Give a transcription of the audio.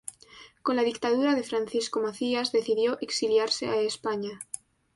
Con la dictadura de Francisco Macías, decidió exiliarse a España.